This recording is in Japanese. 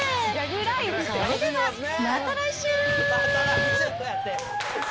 それではまた来週。